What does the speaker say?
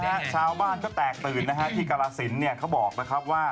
ตอนนี้ชาวบ้านก็แตกตื่นที่กรสินทร์เขาบอกนะครับว่า